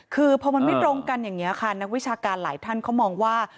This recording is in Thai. คือพอมันไม่ตรงกันอย่างนี้ค่ะนักวิชาการหลายท่านเขามองว่า